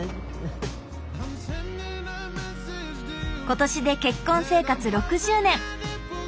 今年で結婚生活６０年。